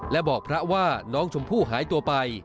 และบอกพระว่าน้องชมพู่หายตัวไป